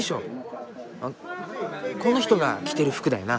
この人が着てる服だよな。